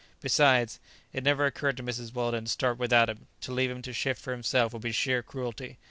Besides, it never occurred to Mrs. Weldon to start without him. To leave him to shift for himself would be sheer cruelty.